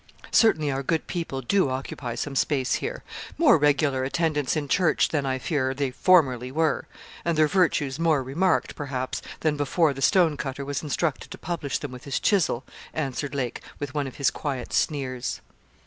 'Certainly our good people do occupy some space here; more regular attendants in church, than, I fear, they formerly were; and their virtues more remarked, perhaps, than before the stone cutter was instructed to publish them with his chisel,' answered Lake, with one of his quiet sneers.